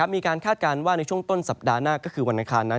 คาดการณ์ว่าในช่วงต้นสัปดาห์หน้าก็คือวันอังคารนั้น